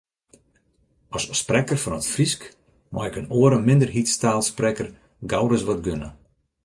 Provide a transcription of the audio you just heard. As sprekker fan it Frysk mei ik in oare minderheidstaalsprekker gauris wat gunne.